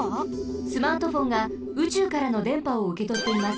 スマートフォンがうちゅうからのでんぱをうけとっています。